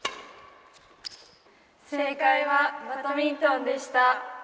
正解はバドミントンでした。